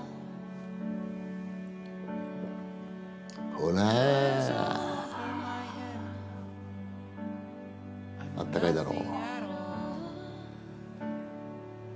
ほらあったかいだろ。